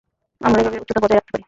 আমরা এভাবে উচ্চতা বজায় রাখতে পারি।